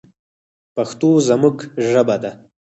پښتو زموږ ژبه ده